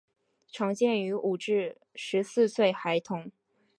常见于五至十四岁孩童。